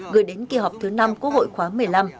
gửi đến kỳ họp thứ năm quốc hội khóa một mươi năm